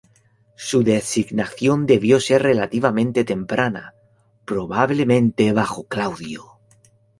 Su designación debió ser relativamente temprana, probablemente bajo Claudio.